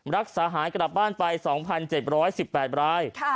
รักษาหายกลับบ้านไป๒๗๑๘ราย